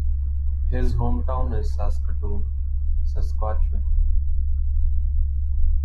His hometown is Saskatoon, Saskatchewan.